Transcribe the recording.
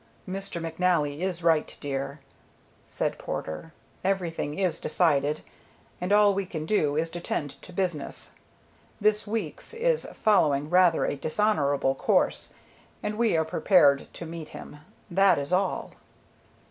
"Mr. McNally is right, dear," said Porter. "Everything is decided, and all we can do is to tend to business. This Weeks is following rather a dishonorable course, and we are prepared to meet him; that is all."